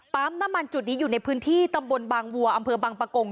น้ำมันจุดนี้อยู่ในพื้นที่ตำบลบางวัวอำเภอบางปะกง